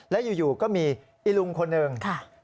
แล้วอยู่ก็มีอีลุงคนหนึ่ง